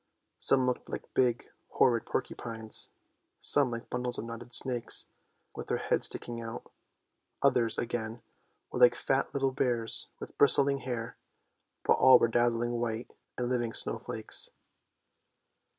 Some looked like big, horrid porcupines, some like bundles of knotted snakes with their heads sticking out. Others, again, were like fat little bears with bristling hair, but all were dazzling white and living snow flakes.